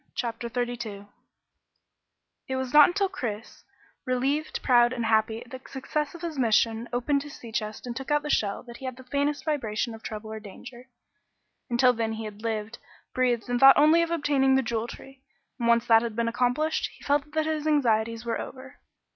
CHAPTER 32 It was not until Chris, relieved, proud and happy at the success of his mission, opened his sea chest and took out the shell that he had the faintest vibration of trouble or danger. Until then he had lived, breathed, and thought only of obtaining the Jewel Tree, and once that had been accomplished, he felt that his anxieties were over.